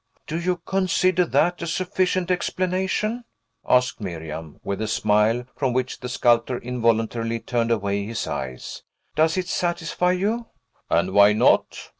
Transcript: "Do you consider that a sufficient explanation?" asked Miriam, with a smile from which the sculptor involuntarily turned away his eyes. "Does it satisfy you?" "And why not?"